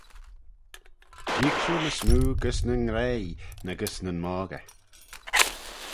Jeeagh shiu ny smoo gys nyn graih na gys nyn moggey.